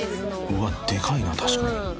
［うわでかいな確かに］